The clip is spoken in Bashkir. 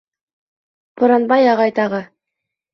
Буранбай ағай тағы: